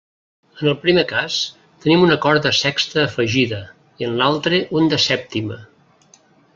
En el primer cas tenim un acord de sexta afegida, i en l'altre un de sèptima.